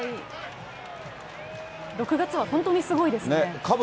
６月は本当にすごいですね。